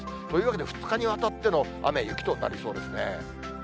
というわけで２日にわたっての雨、雪となりそうですね。